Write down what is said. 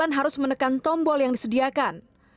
korban harus menekan tombol yang disediakan